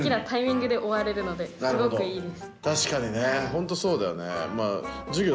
本当そうだよね。